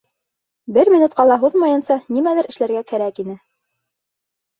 Бер минутҡа ла һуҙмайынса нимәлер эшләргә кәрәк ине.